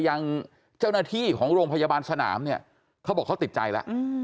อย่างเจ้าหน้าที่ของโรงพยาบาลสนามเนี่ยเขาบอกเขาติดใจแล้ว